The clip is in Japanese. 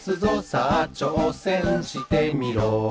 「さあちょうせんしてみろ」